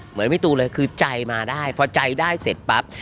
เหมือนพี่ตูเลยคือใจมาได้พอใจได้เสร็จปั๊บ